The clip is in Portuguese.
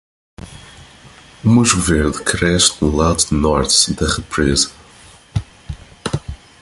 O musgo verde cresce no lado norte da represa.